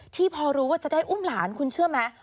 ที่พอรู้ว่าจะได้อุ้มหลานคุณเชื่อไหม